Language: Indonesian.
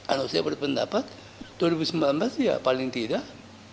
anak saya berpendapat dua ribu sembilan belas ya paling tidak